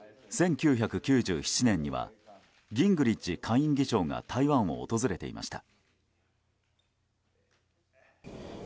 １９９７年にはギングリッチ下院議長が台湾を訪れていました。